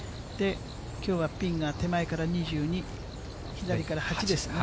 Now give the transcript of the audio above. きょうはピンが手前から２２、左から８ですかね。